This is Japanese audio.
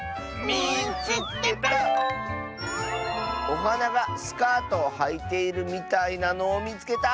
「おはながスカートをはいているみたいなのをみつけた！」。